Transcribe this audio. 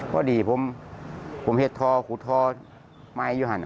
ก็ดีผมเฮ็ดท้อขุดท้อไม้อยู่หัน